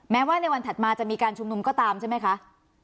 แม้ว่าในวันถัดมาจะมีการชุมนุมก็ตามใช่ไหมคะ